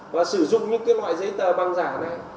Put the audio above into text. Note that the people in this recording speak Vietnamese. và sử dụng những loại giấy tờ bằng giả này